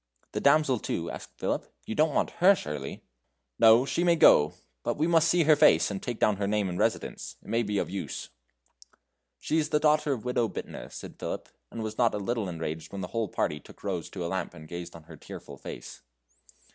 "The damsel too?" asked Philip; "you don't want her surely!" "No, she may go; but we must see her face, and take down her name and residence; it may be of use." "She is the daughter of Widow Bittner," said Philip; and was not a little enraged when the whole party took Rose to a lamp and gazed on her tearful face.